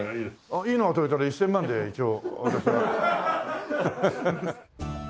いいのが撮れたら１０００万で一応。